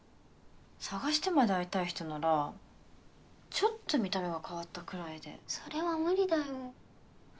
探してまで会いたい人ならちょっと見た目が変わったくらいでそれは無理だよ